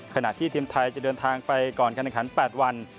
ขณะที่ทีมไทยจะเดินทางไปก่อนการแข่งขัน๘วัน